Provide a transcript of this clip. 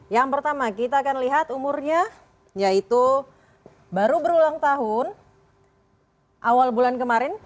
yang pertama kita akan lihat umurnya yaitu baru berulang tahun awal bulan kemarin